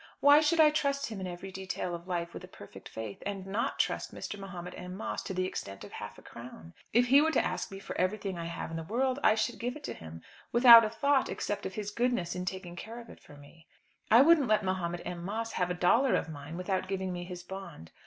Why should I trust him in every detail of life with a perfect faith, and not trust Mr. Mahomet M. Moss to the extent of half a crown? If he were to ask me for everything I have in the world, I should give it to him, without a thought except of his goodness in taking care of it for me. I wouldn't let Mahomet M. Moss have a dollar of mine without giving me his bond.